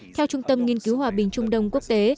theo trung tâm nghiên cứu hòa bình trung đông quốc tế